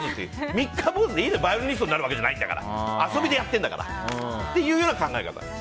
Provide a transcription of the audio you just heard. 三日坊主でいいのバイオリニストになるわけじゃないんだから遊びでやってるんだからっていうような考え方。